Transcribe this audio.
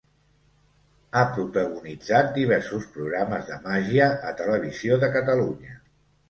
Ha protagonitzat diversos programes de màgia a Televisió de Catalunya.